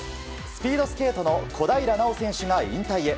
スピードスケートの小平奈緒選手が引退へ。